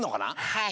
はい。